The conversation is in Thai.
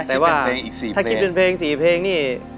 แต่ว่าถ้าคิดเป็นเพลง๔เพลงนี่